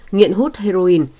nguyện hút heroin